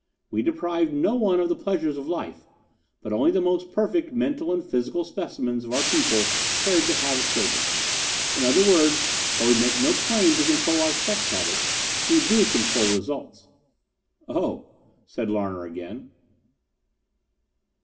We deprived no one of the pleasures of life, but only the most perfect mental and physical specimens of our people cared to have children. In other words, while we make no claim to controlling our sex habits, we do control results." "Oh," said Larner again.